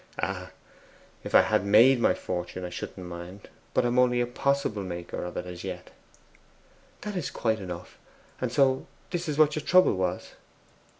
'Ah, if I had MADE my fortune, I shouldn't mind. But I am only a possible maker of it as yet.' 'It is quite enough. And so THIS is what your trouble was?